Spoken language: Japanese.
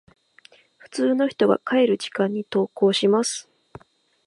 普通の人が帰る時間に登校します。